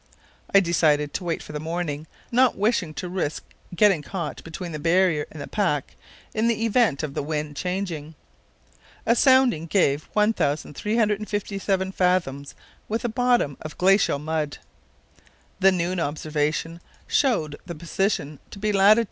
I decided to wait for the morning, not wishing to risk getting caught between the barrier and the pack in the event of the wind changing. A sounding gave 1357 fathoms, with a bottom of glacial mud. The noon observation showed the position to be lat.